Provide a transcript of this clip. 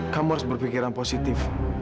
kamu harus berpikiran positif